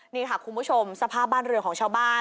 นี่ค่ะคุณผู้ชมสภาพบ้านเรือของชาวบ้าน